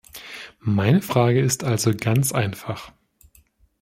Meine Frage ist also ganz einfach.